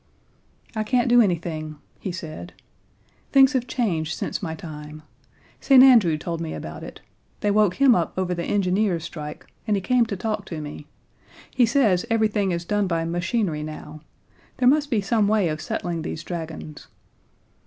"I can't do anything," he said. "Things have changed since my time. St. Andrew told me about it. They woke him up over the engineers' strike, and he came to talk to me. He says everything is done by machinery now; there must be some way of settling these dragons.